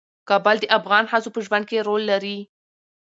کابل د افغان ښځو په ژوند کې رول لري.